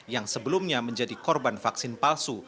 yang sebelumnya menjadi korban vaksin palsu